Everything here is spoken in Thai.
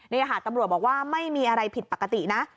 นี่ค่ะตำรวจบอกว่าไม่มีอะไรผิดปกตินะ